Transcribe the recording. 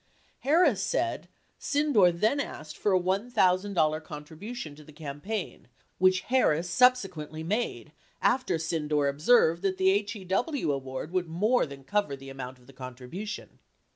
Harris said Sydnor then asked for a $1,000 contribution to the cam paign, which Harris subsequently made after Sydnor observed that the HEW award would more than cover the amount of the contribu tion.